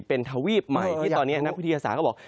เป็นทวีปใหม่ที่ตอนนี้นักวิทยาศาสตร์ก็บอก